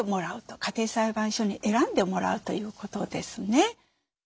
家庭裁判所に選んでもらうということですね。